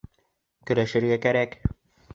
Көрәшергә кәрәк!